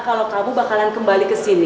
kalau kamu bakalan kembali ke rumah ini